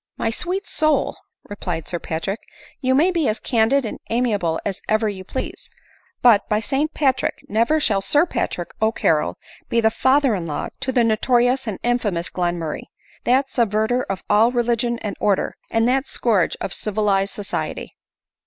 "My sweet soul !" replied Sir Patrick, "you may be as candid and amiable as ever you please, but, " by St L.. * 56 ADELINE IHOWBRAY. r Patrick !" never shall Sir Patrick O'Carrol be the father in law to the notorious and infamous Glenmurray— that ; subverter of all religion and order, and that scourge of civilized society!"